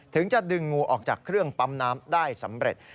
ถึงจะดึงงูออกจากเครื่องปั๊มน้ำได้สำเร็จ